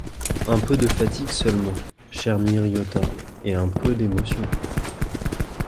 Un peu de fatigue seulement, chère Miriota, et un peu d’émotion...